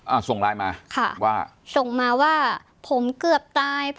อ่าส่งไลน์มาค่ะว่าส่งมาว่าผมเกือบตาย